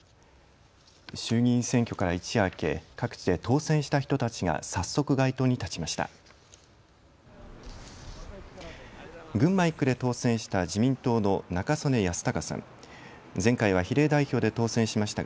衆議院選挙から一夜明け各地で当選した人たちが早速、街頭に立ちました。